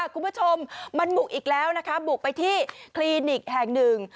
คุณผู้ชมมันบุกอีกแล้วนะคะบุกไปที่คลินิกแห่งหนึ่ง